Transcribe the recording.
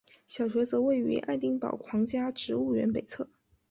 小学则位于爱丁堡皇家植物园北侧。